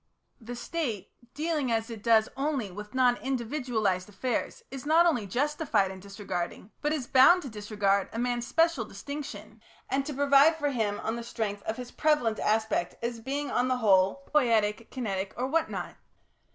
The State, dealing as it does only with non individualised affairs, is not only justified in disregarding, but is bound to disregard, a man's special distinction, and to provide for him on the strength of his prevalent aspect as being on the whole poietic, kinetic, or what not.